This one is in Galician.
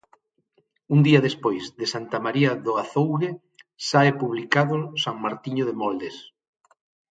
Un día despois de Santa María do Azougue sae publicado San Martiño de Moldes.